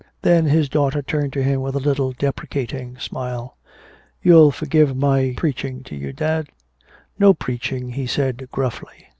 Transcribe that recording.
Then his daughter turned to him with a little deprecating smile. "You'll forgive my preaching to you, dad?" "No preaching," he said gruffly.